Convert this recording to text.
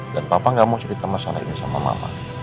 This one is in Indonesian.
dan papa gak mau cerita masalah ini sama mama